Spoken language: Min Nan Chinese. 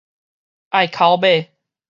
隘口尾